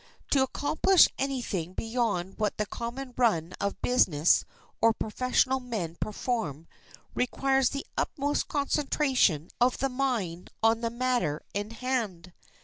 To accomplish any thing beyond what the common run of business or professional men perform requires the utmost concentration of the mind on the matter in hand.